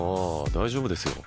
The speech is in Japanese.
大丈夫ですよ